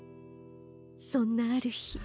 そんなあるひ。